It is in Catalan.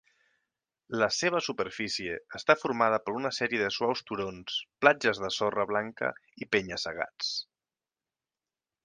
La seva superfície està formada per una sèrie de suaus turons, platges de sorra blanca i penya-segats.